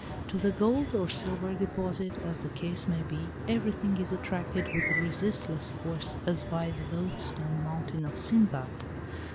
To the gold or silver deposit, as the case may be, everything is attracted with resistless force as by the loadstone mountain of Sindbad.